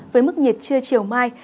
với mức nhiệt chưa chiều mai